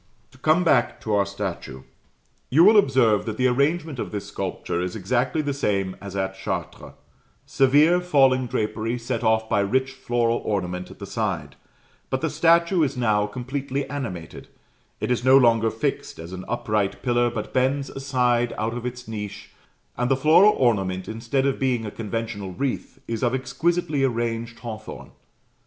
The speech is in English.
To come back to our statue. You will observe that the arrangement of this sculpture is exactly the same as at Chartres severe falling drapery, set off by rich floral ornament at the side; but the statue is now completely animated: it is no longer fixed as an upright pillar, but bends aside out of its niche, and the floral ornament, instead of being a conventional wreath, is of exquisitely arranged hawthorn.